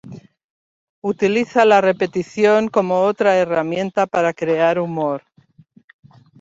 Utiliza la repetición como otra herramienta para crear humor.